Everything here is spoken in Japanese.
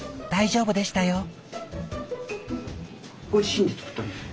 大丈夫でしたよ。